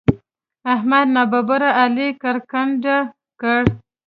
احمد ناببره علي کرکنډه کړ.